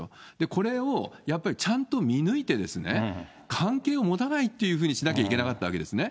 これをやっぱりちゃんと見抜いて、関係を持たないっていうふうにしなきゃいけなかったわけですね。